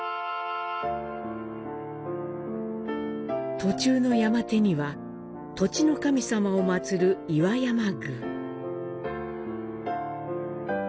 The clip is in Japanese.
途中の山手には、土地の神様を祀る岩山宮。